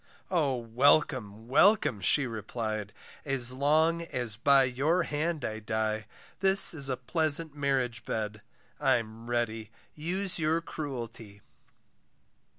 O welcome, welcome, she replied, As long as by your hand I die, This is a pleasant marriage bed, I'm ready, use your cruelty.